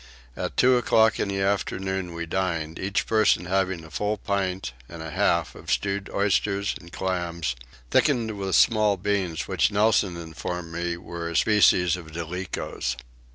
At two o'clock in the afternoon we dined, each person having a full pint and a half of stewed oysters and clams, thickened with small beans which Nelson informed me were a species of Dolichos.